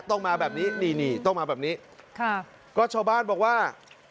ต้องมาแบบนี้นี่นี่ต้องมาแบบนี้ค่ะก็ชาวบ้านบอกว่า